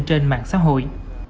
trên mạng xã hội